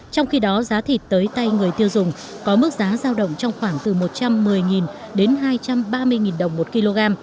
trong khi đó giá thịt tới tay người tiêu dùng có mức giá giao động trong khoảng từ một trăm một mươi đến hai trăm ba mươi đồng một kg